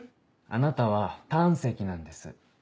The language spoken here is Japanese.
あなたは胆石なんです。